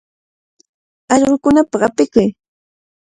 Allqukunapaq apikuy.